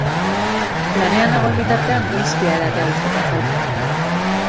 Lanean nagoen bitartean whiskya edatea gustatzen zait.